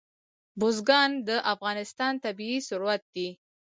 بزګان د افغانستان طبعي ثروت دی.